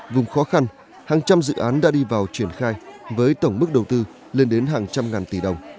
vùng khó khăn hàng trăm dự án đã đi vào triển khai với tổng mức đầu tư lên đến hàng trăm ngàn tỷ đồng